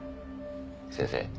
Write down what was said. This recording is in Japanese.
先生